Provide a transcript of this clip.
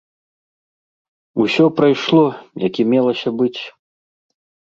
Усё прайшло, як і мелася быць.